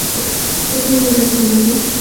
কোথায় নিয়ে যাচ্ছো আমকে?